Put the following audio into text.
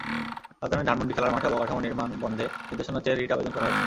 রাজধানীর ধানমন্ডি খেলার মাঠে অবকাঠামো নির্মাণ বন্ধে নির্দেশনা চেয়ে রিট আবেদন করা হয়েছে।